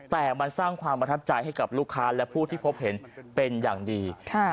แต่มันสร้างความประทับใจให้กับลูกค้าและผู้ที่พบเห็นเป็นอย่างดี